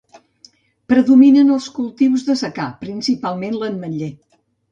Predominen els cultius de secà, principalment l'ametller.